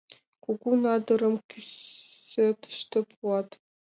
Кугу надырым кӱсотышто пуат.